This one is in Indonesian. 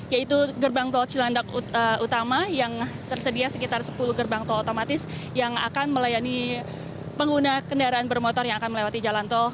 yaitu gerbang tol cilandak utama yang tersedia sekitar sepuluh gerbang tol otomatis yang akan melayani pengguna kendaraan bermotor yang akan melewati jalan tol